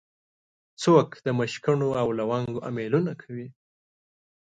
څوک د مشکڼو او لونګو امېلونه کوي